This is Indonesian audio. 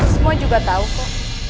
semua juga tau kok